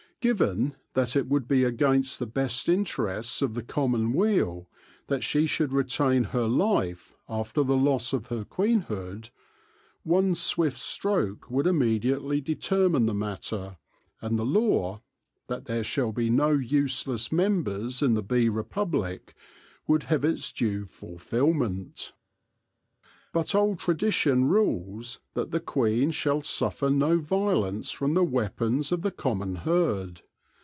Given that it would be against the best interests of the common weal that she should retain her life after the loss of her queenhood, one swift stroke would immediately determine the matter, and the law — that there shall be no useless members in the bee republic — would have its due fulfilment. But old tradition rules that the queen shall suifer no violence from the v weapons of the common herd.